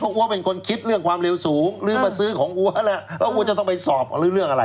ก็นั่นแหละสิครับจีนก็บอกว่าแล้วผมจะมาสอบเรื่องอะไร